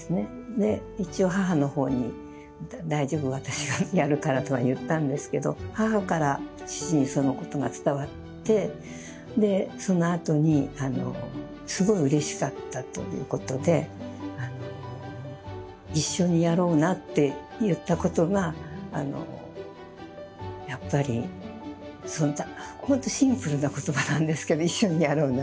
で一応母の方に「大丈夫私がやるから」とは言ったんですけど母から父にそのことが伝わってでそのあとにすごいうれしかったということで「一緒にやろうな」って言ったことがやっぱりほんとシンプルな言葉なんですけど「一緒にやろうな」